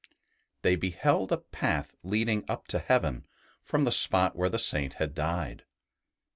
They beheld a path leading up to heaven from the spot where the Saint had died.